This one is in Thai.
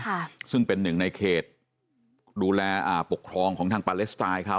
ค่ะซึ่งเป็นหนึ่งในเขตดูแลอ่าปกครองของทางปาเลสไตล์เขา